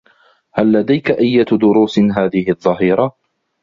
هل لديك أيّة دروس هذه الظّهيرة؟